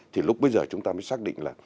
thì lúc bây giờ chúng ta mới xác định là